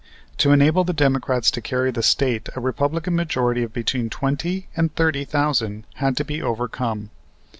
To enable the Democrats to carry the State a Republican majority of between twenty and thirty thousand had to be overcome.